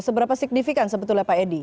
seberapa signifikan sebetulnya pak edi